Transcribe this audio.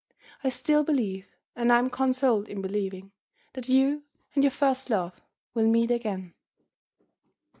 I still believe, and I am consoled in believing, that you and your first love will meet again.